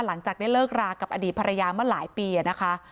หลังจากได้เลิกรากับอดีตภรรยามาหลายปีนะคะ